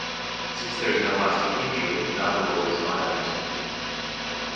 Since there is no lasting injury, neither law is violated.